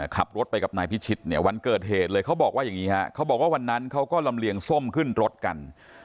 ขับรถไปกับนายพิชิตวันเกิดเหตุเลยเขาบอกว่าวันนั้นเขาก็ลำเลียงส้มขึ้นรถกัน